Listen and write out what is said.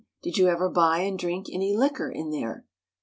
Did you ever buy and drink any liquor in there?